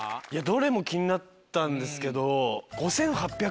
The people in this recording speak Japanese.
どれも気になったんですけど。